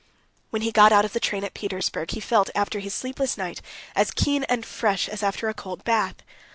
When he got out of the train at Petersburg, he felt after his sleepless night as keen and fresh as after a cold bath.